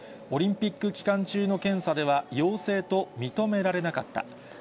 オリンピック期間中の検査では、陽性と認められなかった。